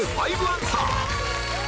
５アンサー